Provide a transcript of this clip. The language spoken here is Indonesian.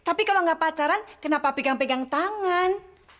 tapi kalau nggak pacaran kenapa pegang pegang tangan